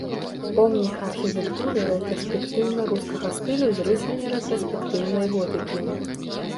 Помнік архітэктуры рэтраспектыўна-рускага стылю з рысамі рэтраспектыўнай готыкі.